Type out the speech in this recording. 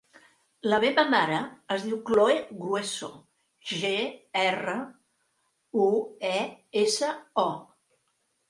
La meva mare es diu Khloe Grueso: ge, erra, u, e, essa, o.